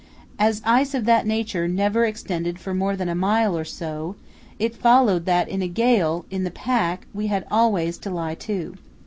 As ice of that nature never extended for more than a mile or so, it followed that in a gale in the pack we had always to lie to.